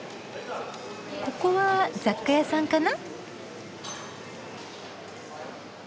ここは雑貨屋さんかな？